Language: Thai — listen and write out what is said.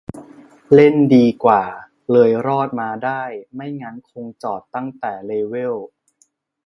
เล่นดีกว่า เลยรอดมาได้ ไม่งั้นคงจอดตั้งแต่เลเวล